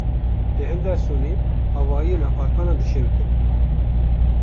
Li Hendersonê avahiyên apartmanan dişewitin.